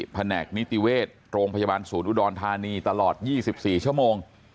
แผนกนิติเวชโรงพยาบาลศูนย์อุดรธานีตลอด๒๔ชั่วโมง